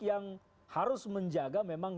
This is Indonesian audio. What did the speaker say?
yang harus menjaga memang